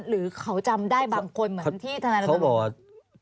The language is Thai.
หรือเขาจำได้บางคนเหมือนที่ธนารงค์บอก